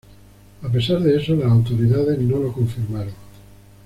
A pesar de eso, las autoridades no lo confirmaron.